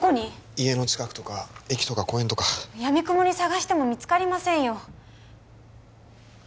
家の近くとか駅とか公園とかやみくもに捜しても見つかりませんよ